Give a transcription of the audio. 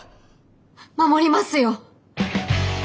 守りますよ。